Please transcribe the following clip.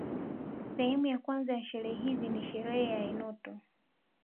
Sehemu ya kwanza ya sherehe hizi ni sherehe ya enoto